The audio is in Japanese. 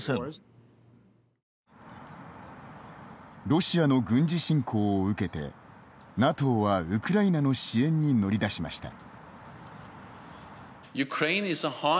ロシアの軍事侵攻を受けてＮＡＴＯは、ウクライナの支援に乗り出しました。